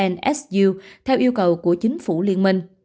nsu theo yêu cầu của chính phủ liên minh